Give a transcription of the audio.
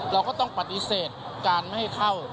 เราก็ต้องปฏิเสธการไม่ให้เข้า